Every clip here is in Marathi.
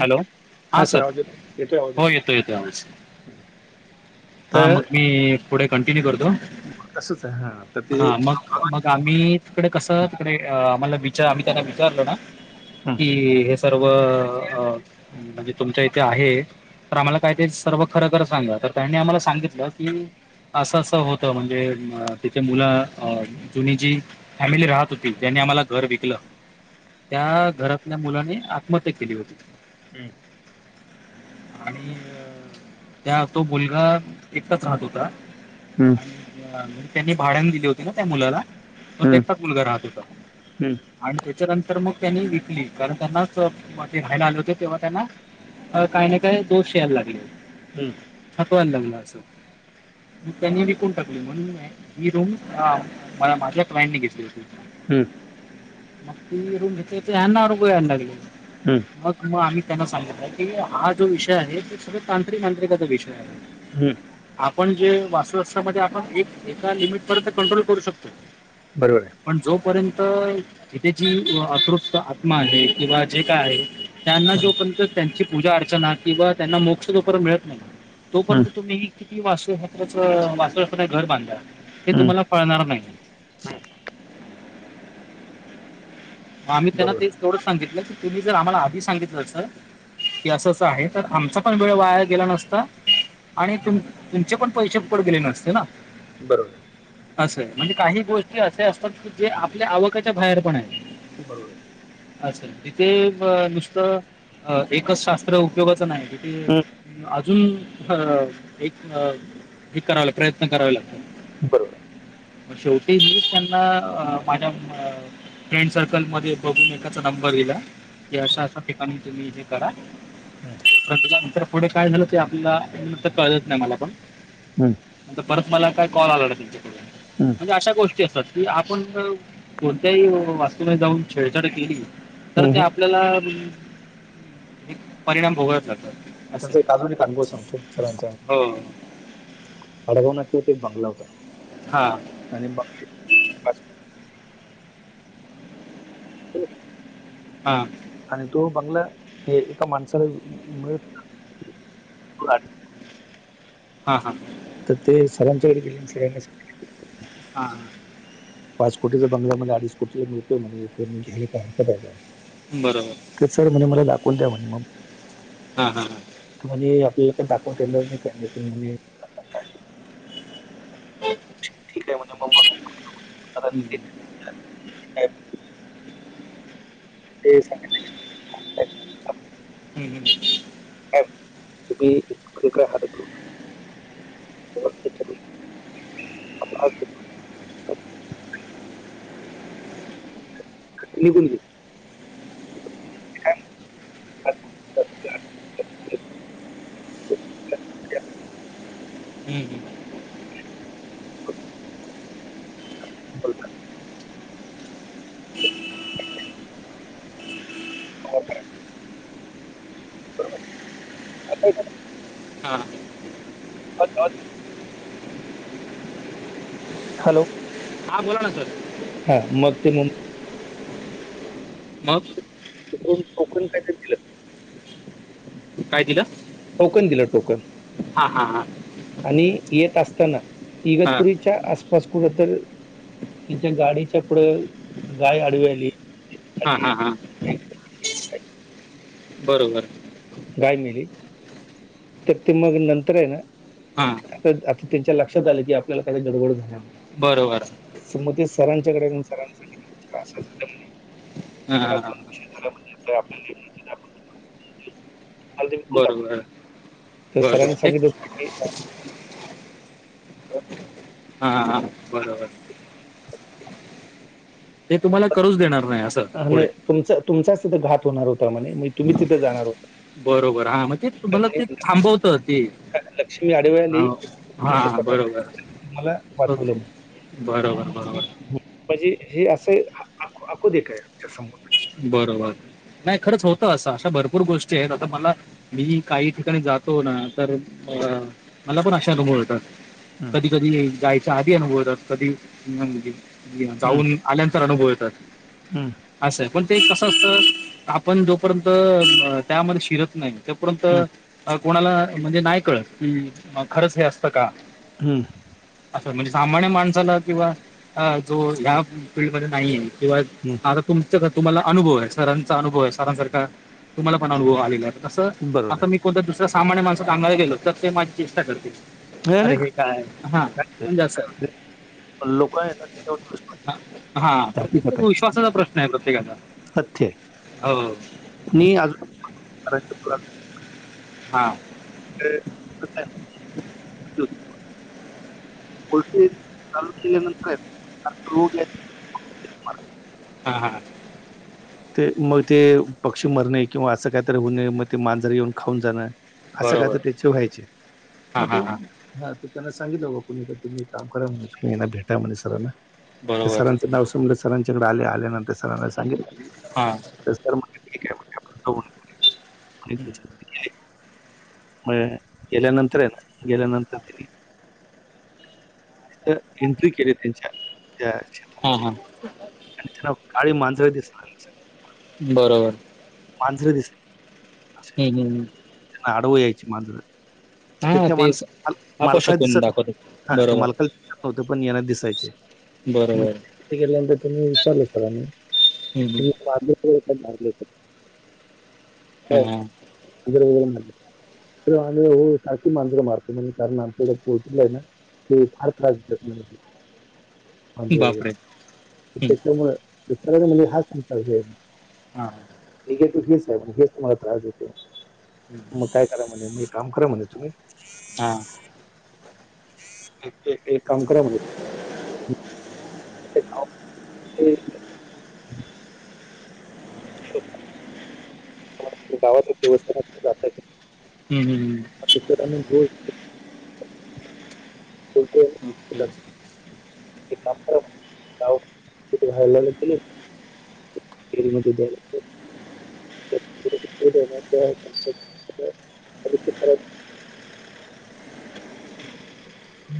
हॅलो सर आवाज येतोय येतोय, आवाज हो येतो येतो [unintelligible] हा मी पुढे कंटिन्यू करतो, तसंच आहे हा तर ते हा मग आम्ही तिकडे कसं तिकडे आम्हाला विचार आम्ही त्यांना विचारलो ना हं, की हे. सर्व. म्हणजे तुमच्या इथे आहे तर आम्हाला काय ते सर्व खरखर सांगा तर त्यांनी आम्हाला. सांगितलं की असं असं होत म्हणजे तिथ मुलं जुनी जी फॅमिली राहत होती त्यानी आम्हाला घर विकलं. त्या घरातल्या मुलाने आत्महत्या केली होती. हम्म आणि त्या तो मुलगा. तिथेच राहत होता. हम त्यांनी भाड्यांण दिली होती ना त्या मुलाला त्याच हं, एकटाच म मुलगा राहत होत. हं, मग त्यांनी विकली कारण त्यांनाच ते राहायला आले होते तेव्हा त्यांना काही ना काय दोष यायला लागले. हम् जाणवायला लागलास. [unintelligible] ग त्यांनी विकून टाकली. म्हणून ही रूम माझ्या क्लायंटने घेतली होती. हम्म, मग ती रूम घेतल्यावर अंगावर येऊ लागली. हम्, मग मग आम्ही त्यांना सांगित. आहे की हा जो विषय आहे ते सगळ तांत्रिक आंत्रिकाचा विषय आहे.? हम्, आपण जे, वास्तुस्त्रामध्ये आपण एक एका लिमिट पर्यंत कंट्रोल करू शकतो. बरोबर आहे. पण जोपर्यंत इथे जी अतृप्त आत्मा आहे, किंवा जे काय आहे. त्यांना हं, जोपर्यंत त्यांची पूजा अर्चना किंवा त्यांना मोक्ष जोपर्यंत मिळत नाही, हं, तोपर्यंत तुम्ही. किती वास्तुशास्त्रान घर बांधले हे तुम्हाला पळणार नाही. ह आम्ही त्यांना बरोबर तेच एवढं सांगितलं की तुम्ही जर आम्हाला आधी सांगितलं सर. की असंच आहे तर आमचा पण वेळ वाया गेला नसता. आणि हं, तुमचे पण पैसे फिकट गेले नसते ना. बरोबर.? असं, आहे म्हणजे काही गोष्टी असे असतात की जे आपल्या आवकाच्या बाहेर पण आहेत. बरोबर. अच्छा तिथे, नुसतं एकच शास्त्र उपयोगाचं नाही. हं, अजुन. अजून हे. प्रयत्न करावे लागतो. बरोबर, शेवटी मग मी त्यांना माझ्या फ्रेंड. फ्रेंड सर्कल बघून एकाचा नंबर दिला क अशा अशा ठिकाणी तुम्ही असं असं करा. हम्, नंतर पुढे काय झालं ते आपल्याला कळत नाही मला पण. हम्. न परत मला काय कॉल आला ना त्यांच्याकडून हं, म्हणजे अशा गोष्टी. आपण कोणत्याही वास्तु ला जाऊन छेडछाड केली तर. हं, हं. आपल्याला एक परिणाम भोगावेच लागतात. मी असं माझा एक अनुभव सांगतो हो अडगाव मध्ये एक बंगला होता. [unintelligible] हां, आणि बंगल्यात. हो, हा. आणि तो बंगला हे एका माणसाला मिळत. हा हा. तर ते साराच्याकडे गेले काय नसते. हां? पाच कोटीचा बंगल्यामध्ये अडीच कोटीला मिळतोय म्हणजे घ्यायलाय काय हरकत आहे,? का बरोबर, ते सर म्हणे मला दाखवून द्या म्हणे मग, हा हा हां, म्हणजे आपल्याला काही दाखवता येणार नाही का नाही म्हणजे. हो, ठीक आहे [unintelligible] म्हणे मग मग हम् [inaudible] काय ते [unintelligible] हम् ह [inaudible] तु [unintelligible] खक हत हम् [inaudible] लिहून घे. हम् हम, बर का [unintelligible] हो का? बर बर, आता येता ना? [unintelligible] हां अच [unintelligible] हॅलो. हां बोला ना सर हा मग ते मुंबई मग? तिकडून टोकन काहीतरी दिलं. काय दिलं? टोकन दिलं टोकन. हा हा हा, आणि येत असताना हां इगतपुरीच्या आसपास कुठ तर त्यांच्या गाडीच्या पुढं, गाय आडवी आली. हा आणि हा त्या हा,, बरोबर. गाय मेली, तर ते मग नंतर आहे ना हा. आता त्यांच्या लक्षात आलं की, आपल्याला काय गडबड झाल्या म्हणून. बर- बर. [unintelligible] ते सरांच्याकडे जाऊन सरांना सांगितलं असं झालं म्हणून. हां हां हां. [unintelligible] [unintelligible] अगदी विकून टाकू बरोबर महणे ते सरांना सांगितलं [unintelligible] हो. हा-. हा बरोबर, ते तुम्हाला करूच देणार नाही अस. अरे नाही तुमच तुमचा सुद्धा घात होणार होता म्हणे, मग तुम्ही तिथं जाणार होता. बरोबर, हा म्हण ते तर तुम्हाला म्हणे ते थांबवत ते. ल लक्ष्मी आडवी [unintelligible] हा हा बरोबर. तुम्हाला ओके वाचवलं. बरोबर - बरोबर. हं. म्हणजे हे असंय, आंखो देखा आमच्यासमोर. बरोबर, नाही खरंच होत असं अशा भरपूर गोष्टी आहेत आता मला मी काही ठिकाणी जातो ना तर, अ मला पण अशा अनुभव येतात. हम. कधी जायच्या आधी अनुभव येतात, कधी जाऊन आल्यानंतर अनुभव येतात. हम. असं आहे पण ते कसं असतं आपण जोपर्यंत त्यामध्ये शिरत नाही. तोपर्यंत कोणाला म्हणजे नाही कळत की खरंच हे असतं का? हम्म. असं म्हणजे सामान्य माणसाला किंवा जो ह्या फिल्डमध्ये नाहीये किंवा हम्म. आता तुमच का तुम्हाला अनुभव आय सरांचा अनुभव आय सरांसारखा तुम्हाला पण अनुभव आलेला आय. तसं बरोबर आता आहे. मी कोणत्या दुसऱ्या सामान्य माणसं सांगायला गेलो तर ते माझी चेष्टा करतील. नाही अरे नाही हे काय हा ते म्हणजे असं ते लोकं आहे ना, त्याच्यावर विश्वास आय. हा ठेवतात. हकीकत प्रत्येक आहे. विश्वासाचा प्रश्न आय प्रत्येकता हो. नी अजू [unintelligible] हा. ते कुठल्या [unintelligible] [unintelligible] चालू केल्यानंतर आयत [unintelligible] हा हा. ते म ते पक्षी मरणे किंवा असं कायतरी हूने म ते मांजर येऊन खाऊन जाणं. असं काय तर बरोबर त्याचे व्हायचे, म हां हां तो हां हा तर त्यांना सांगितलं बाबा कुणी तर तुम्ही एक काम करा म्हणे तुम्ही आय ना भेटा म्हणे सरांना. त्या बरोबर सरांचं नाव समलं सरांच्याकडे आले आल्यानंतर सरांना सांगितलं. हा. तर सर म्हणले ठीकये आपण बघून [unintelligible] गेले म गेल्यानंतर आय ना गेल्यानंतर ते नी अस एंट्री केल्या त्यांच्या त्या हा शेतामध्ये हा. आणि त्यांना गाळी मांजर दिसायला लागली सगळी. बरोबर. मांजर दिस हम् हम्. अडव आयची मांजर. ते हां त्या तेच माणसा मालका अपशकून दिसत दाखवतो नव्हत हा ते बरोबर मालका दिसत नव्हत पण यांना दिसायचे. म बरोबर तिथ गेल्यानंतर त्यांनी विचारलं सरांनी हं, हं. तुम्ही [unintelligible] [unintelligible] हा. [unintelligible] तर आम्ही हो अशी मांजरं मारतो म्हणजे कारण आमच्या हिकडं पोल्ट्री आय ना ते फार त्रास देतात म्हणे. आणि बापरे हं. त्याच्यामुळ [unintelligible] हा. निगेटिव्ह हेच हाय म्हणे हेच तुम्हाला त्रास देतय, मग काय करा म्हणे म एक काम करा म्हणे. तुम्हीं हा. एक ते एक काम करा म्हणलं. ते नाव [inaudible] गावाच देवस्थानातन जातय ते. हम् हम्. ती पिढा म्हणजे ओके. ते काम [unintelligible] [unintelligible] [unintelligible]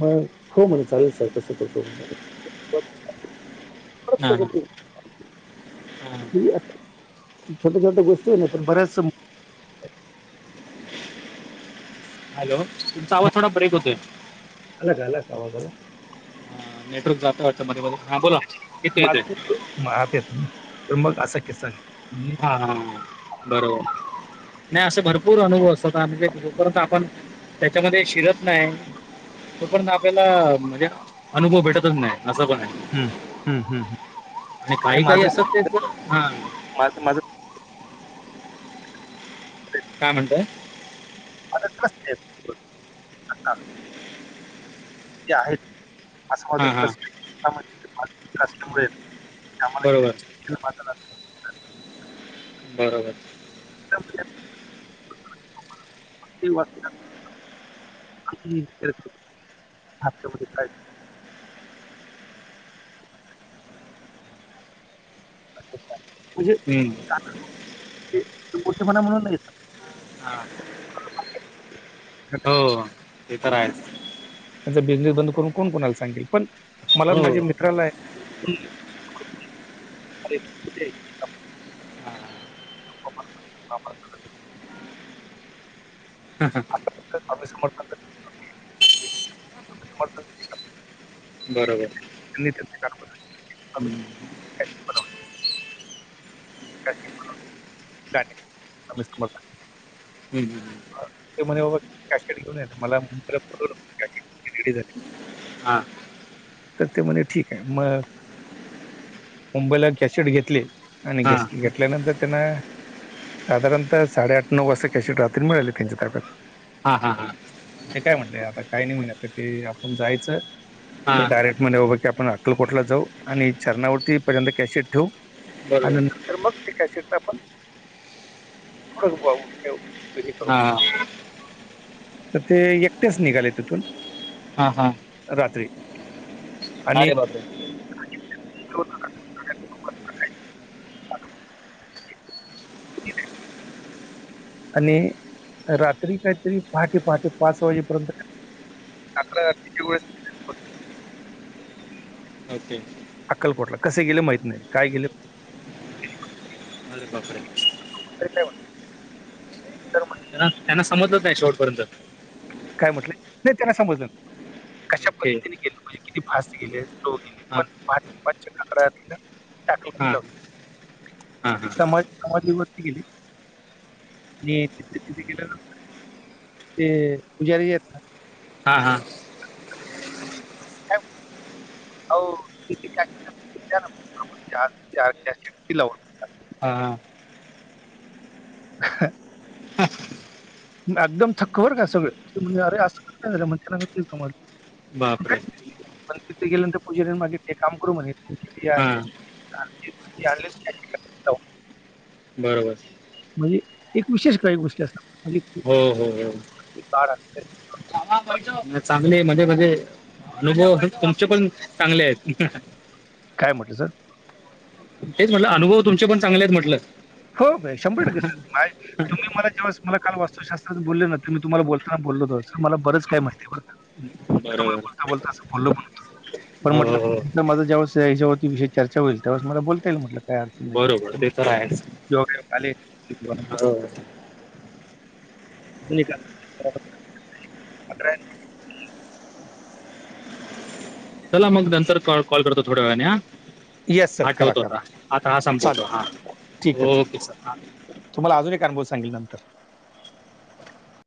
मग हो म्हणलं चालेल सर तसं करतो म्हणलं. हा हा. ही आता छोट्या छोट्या गोष्टी ना तर बऱ्याच [unintelligible] हॅलो तुमचा आवाज थोडा ब्रेक होतोय. आला का आला का आवाज आला? अ, नेटवर्क जाताय वाटतं मध्ये मध्ये हां बोल ना येतोय येतोय. [unintelligible] पण मग असा किस्सा निघतो. म्हणजे हा हा बरोबर. नाही असं भरपूर अनुभव असतात [unintelligible] जो पर्यंत आपण त्याच्यामध्ये शिरत नाही तोपर्यंत आपल्याला म्हणजे अनुभव भेटतचं नाही असं पण आहे. हं, हं, हं, हं. आणि काही काही असतात ते थोडं, हा. माझ माझं [inaudible] काय म्हणताय? [unintelligible] हां हां [unintelligible] बरोबर. [unintelligible] बरोबर. [unintelligible] [unintelligible] म्हणजे हम्म. [unintelligible] ते [unintelligible] म्हणत नाहीत. हा कारण हो ते तर आहेच. त्यांचा बिझनेस बंद करून कोण कोणाला सांगेल पण मला हो माझ्या मित्राला [unintelligible] हां [unintelligible] हा हा. आता [unintelligible] स्वामी समर्थ [unintelligible] समर्थन करतो. बरोबर. [unintelligible] हम्म. कॅसेट बनवली. [unintelligible] [unintelligible] स्वामी समर्थ. हम्म हम्म हम्म. ते म्हणे बाबा कॅशेट घेऊन ये मला [unintelligible] झाली. हा. तर ते म्हणे ठीक आहे. मग मुंबईला कॅसेट घेतली. आणि हां [unintelligible] घेतल्यानंतर त्यानं साधारणतः साडेआठ नऊ वाजता कॅसेट रात्री मिळाली त्यांच्या ताब्यात. हा हा हा. ते काय म्हटलंय आता काय नाही म्हणे ते आता आपण जायचं तर हां डायरेक्ट म्हणे की आपण अकलकोटला जाऊ आणि छरणावरती पहिल्यादा कॅशेट ठेवु आणि बरोबर नंतर मग ते सीट आपण [inaudible] [unintelligible] वह हा. तर ते एकटेच निघाले तिथून. हा हा. रात्री. आणि अरे बापरे. ठिक आहे. आणि रात्री काहीतरी पहाटे, पहाटे पाच वाजेपर्यंत काकड आरतीच्या वेळेस. ओके. अक्कलकोटला कसे गेले माहित नाही काय गेले अ कपडे [unintelligible] वा [unintelligible] त्यांना, त्यांना समजलं नाही शेवटपर्यंत. काय म्हटलंय? नाही त्याना समजलं कशा ओके पद्धतीने गेलं म्हणजे किती फास्ट गेले. हां पण पाच, पाचच्या काकडा आरतीला टाकी हां कुठलं हां हां हां समा समाधी वरती गेली. [unintelligible] ते पुजारी आहेत. हा हा. ह [inaudible] हो [unintelligible] हा हा. ह [unintelligible] एकदम थकवर काय सगळं ते म्हठले अरे असं का काय झालं म्हणे तुम्हाले बापरे काहीच नाही. पण तिथे गेल्यानंतर पूजारी माग काम करू म्हणे हां [unintelligible] आनलीत का बरोबर. म्हणजे एक विशेष काही गोष्टी असतात म्हणजे हो हो हो. बाडागतय [unintelligible] चांगले मध्येे, मध्येे, मध्ये लोबो तुमचे पण चांगले आहेत. काय म्हटलं सर? हेच म्हटलं अनुभव तुमचे पण चांगलेत म्हटलं. होय शंभर टक्के सर माय तुम्ही मला जेव्हा मला काल वास्तुशस्त्र बोलेना तर मी तुम्हाला बोलताना बोलल होतो मला बरचय माहिती आहे बर का. ह् [inaudible] मी तुम्हाला बोलता, बोलता अस बोललो पण होतो. पण हो हो हो. म्हटलं माझा ज्यावळेस याच्यावरती विषयी चर्चा होईल तेव्हास मला बोलता येईल म्हटलं काय अडचण नाही का. काय असं. दोघे आलेत. हो. निका चला मग नंतर कॉल, कॉल करतो थोड्या वेळाने ह. येस सर हा करा ठेवतो होता करा आता हा संपवतो चालेल हा ठीक आहे चालेल ओके सर हा. तुम्हाला अजून एक अनुभव सांगेल नंतर,